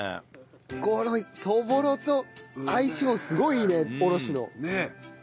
このそぼろと相性すごいいいねおろしの。